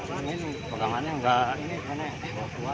ini pegangannya enggak kuat